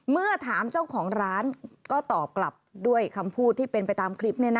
เมื่อถามเจ้าของร้านก็ตอบกลับด้วยคำพูดที่เป็นไปตามคลิป